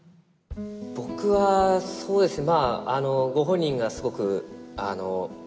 僕はそうですね